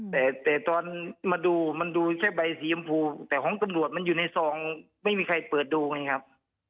แต่ตอนมาดูมันดูใช่ใบสีชมพูแต่ของตำรวจมันอยู่ในซองไม่มีใครเปิดดูไงครับ